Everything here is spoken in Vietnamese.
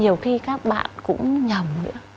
nhiều khi các bạn cũng nhầm nữa